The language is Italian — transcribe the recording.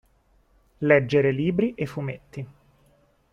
Leggere libri e fumetti.